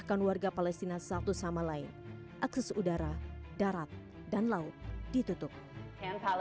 karena persepsi yang salah bahwa ini adalah isu agama no